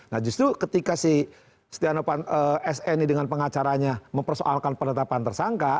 nah justru ketika si setia novanto sni dengan pengacaranya mempersoalkan penetapan tersangka